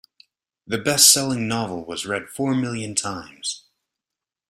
The bestselling novel was read four million times.